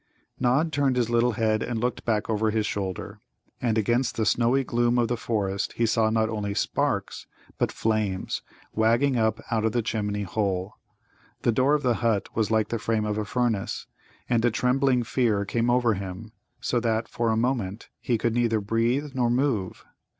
Nod turned his little head and looked back over his shoulder. And against the snowy gloom of the forest he saw not only sparks, but flames, wagging up out of the chimney hole. The door of the hut was like the frame of a furnace. And a trembling fear came over him, so that for a moment he could neither breathe nor move.